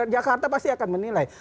jakarta pasti akan menilai